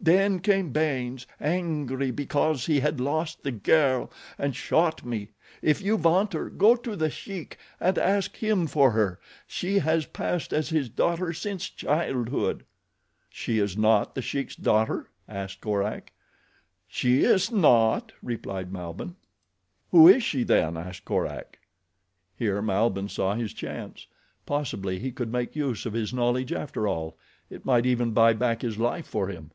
Then came Baynes, angry because he had lost the girl, and shot me. If you want her, go to The Sheik and ask him for her—she has passed as his daughter since childhood." "She is not The Sheik's daughter?" asked Korak. "She is not," replied Malbihn. "Who is she then?" asked Korak. Here Malbihn saw his chance. Possibly he could make use of his knowledge after all—it might even buy back his life for him.